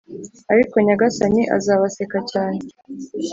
ariko Nyagasani azabaseka cyane